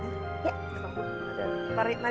ya pak rendy